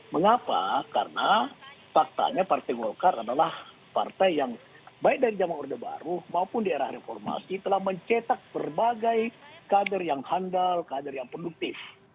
mengapa karena faktanya partai golkar adalah partai yang baik dari zaman orde baru maupun di era reformasi telah mencetak berbagai kader yang handal kader yang produktif